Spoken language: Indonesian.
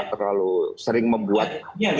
terlalu sering membuat